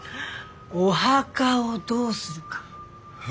お墓をどうするか。